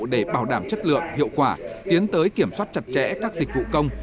để bảo đảm chất lượng hiệu quả tiến tới kiểm soát chặt chẽ các dịch vụ công